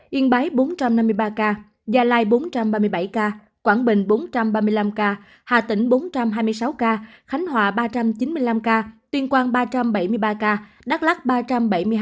yên bái bốn trăm năm mươi ba ca gia lai bốn trăm ba mươi bảy ca quảng bình bốn trăm ba mươi năm ca hà tĩnh bốn trăm hai mươi sáu ca khánh hòa ba trăm chín mươi năm ca tuyên quang ba trăm bảy mươi ba ca đắk lắc ba trăm bảy mươi hai ca